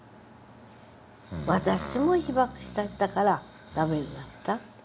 私も被ばくしちゃったから駄目になった。